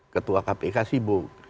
ketua kpk sibuk